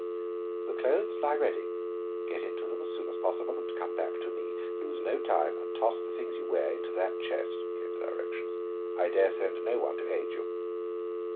"The clothes lie ready; get into them as soon as possible and come back to me. Lose no time, and toss the things you wear into that chest," came the directions. "I dare send no one to aid you."